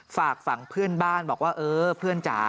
ฝากฝั่งเพื่อนบ้านบอกว่าเออเพื่อนจ๋า